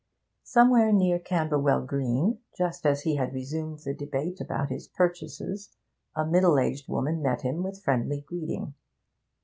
Somewhere near Camberwell Green, just as he had resumed the debate about his purchases, a middle aged woman met him with friendly greeting.